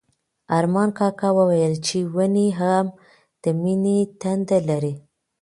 ارمان کاکا وویل چې ونې هم د مینې تنده لري.